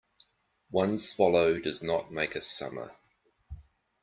One swallow does not make a summer.